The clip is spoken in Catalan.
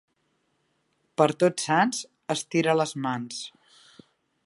Per Tots Sants, estira les mans.